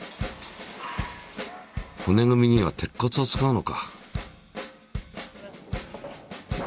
骨組みには鉄骨を使うのか。